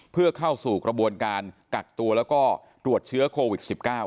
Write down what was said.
เพื่อเข้าสู่กระบวนการกักตัวแล้วก็ตรวจเชื้อโควิด๑๙